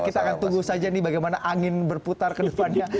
kita akan tunggu saja nih bagaimana angin berputar ke depannya